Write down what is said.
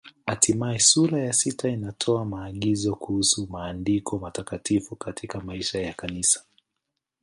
Hatimaye sura ya sita inatoa maagizo kuhusu Maandiko Matakatifu katika maisha ya Kanisa.